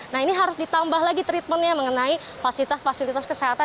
nah ini harus ditambah lagi treatmentnya mengenai fasilitas fasilitas kesehatan